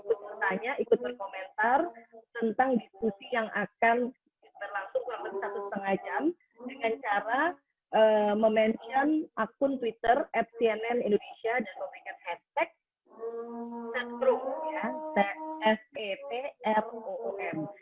ikut bertanya ikut berkomentar tentang diskusi yang akan berlangsung kurang lebih satu lima jam dengan cara memention akun twitter fcnn indonesia dan memiliki hashtag petrum